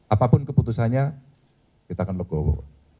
apapun keputusannya kita akan legowo